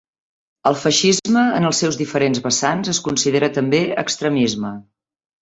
El feixisme en els seus diferents vessants es considera també extremisme.